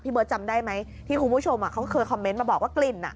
เบิร์ตจำได้ไหมที่คุณผู้ชมเขาเคยคอมเมนต์มาบอกว่ากลิ่น